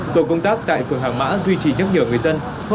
tổ công tác tại phường hàng mã duy trì nhắc nhở người dân